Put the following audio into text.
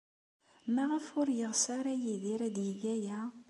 Maɣef ur yeɣs ara Yidir ad yeg aya?